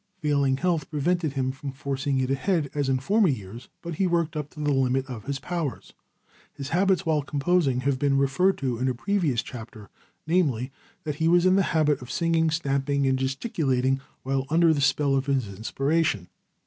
Failing health prevented him from forcing it ahead as in former years, but he worked up to the limit of his powers. His habits while composing have been referred to in a previous chapter, namely, that he was in the habit of singing, stamping, gesticulating, while under the spell of his inspiration.